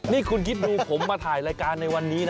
นี่คุณคิดดูผมมาถ่ายรายการในวันนี้นะ